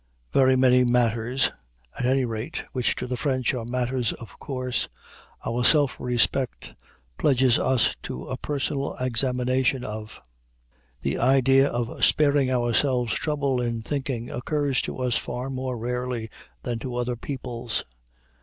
Very many matters, at any rate, which to the French are matters of course, our self respect pledges us to a personal examination of. The idea of sparing ourselves trouble in thinking occurs to us far more rarely than to other peoples.